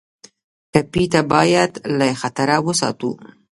ټپي ته باید له خطره وساتو.